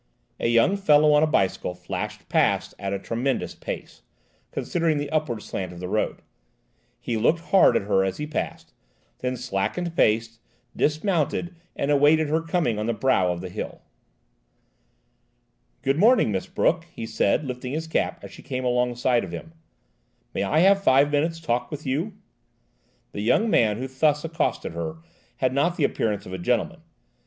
A young fellow on a bicycle flashed past at a tremendous pace, considering the upward slant of the road. He looked hard at her as he passed, then slackened pace, dismounted, and awaited her coming on the brow of the hill. "Good morning, Miss Brooke," he said, lifting his cap as she came alongside of him. "May I have five minutes' talk with you?" "GOOD MORNING, MISS BROOKE." The young man who thus accosted her had not the appearance of a gentleman.